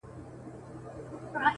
موده مخکي چي دي مړ سپین ږیری پلار دئ؛